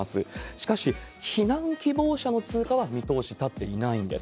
しかし、避難希望者の通過は見通し立っていないんです。